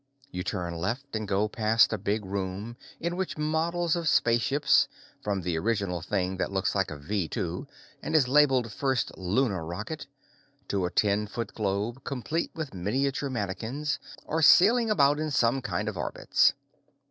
You turn left and go past a big room in which models of spaceships from the original thing that looks like a V 2, and is labeled first Lunar rocket, to a ten foot globe, complete with miniature manikins are sailing about in some kind of orbits.